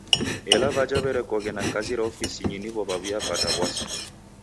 Ela w'aja w'erekoghe na kazi ra ofisinyi niwo w'aw'iapata w'asi.